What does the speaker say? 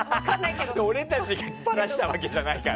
俺たちがバラしたわけじゃないから。